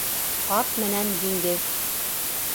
Ҡарт менән диңгеҙ.